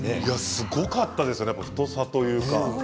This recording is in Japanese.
すごかったですね太さというか。